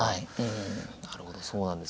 なるほどそうなんですね。